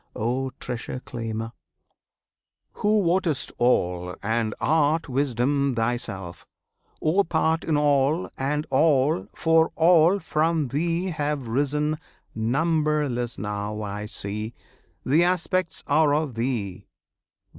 O Treasure Claimer, Who wottest all, and art Wisdom Thyself! O Part In all, and All; for all from Thee have risen Numberless now I see The aspects are of Thee!